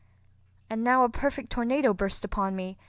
And now a perfect tornado burst upon me.